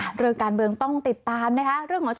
โดยการเบืองต้องติดตามนะคะ